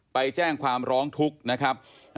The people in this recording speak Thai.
ไปแจ้งความร้องทุกข์นะครับ